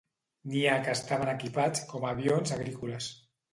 N'hi ha que estaven equipats com a avions agrícoles.